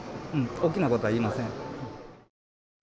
大きな事は言いません。